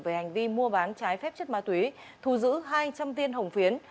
về hành vi mua bán trái phép chất ma túy thu giữ hai trăm linh tiên hồng phiến